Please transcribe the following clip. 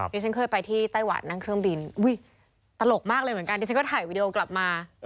ดิฉันเคยไปที่ไต้หวันนั่งเครื่องบินอุ้ยตลกมากเลยเหมือนกันดิฉันก็ถ่ายวีดีโอกลับมา